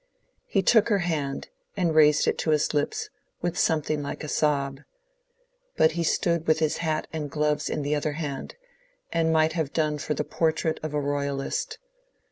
He took her hand and raised it to his lips with something like a sob. But he stood with his hat and gloves in the other hand, and might have done for the portrait of a Royalist.